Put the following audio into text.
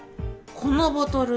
このボトル